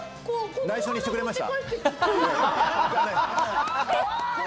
内緒にしてくれました？